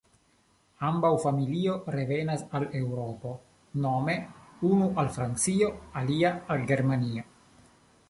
Ambaŭ familio revenas al Eŭropo nome unu al Francio, alia al Germanio.